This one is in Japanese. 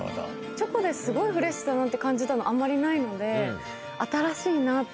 チョコですごいフレッシュだなって感じたのあんまりないので新しいなって。